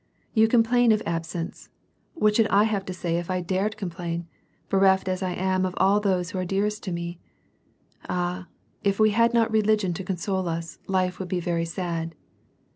You complain of absence — what should I have to say if I dared complain, bereft as I am of aU those who are dearest to me ? Ah ! if we had not religion to console us, life would be very sad.